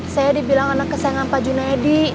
saya dibilang anak kesayangan pak junaidi